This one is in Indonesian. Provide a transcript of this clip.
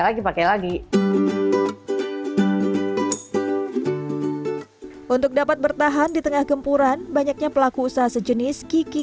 lagi pakai lagi untuk dapat bertahan di tengah gempuran banyaknya pelaku usaha sejenis kiki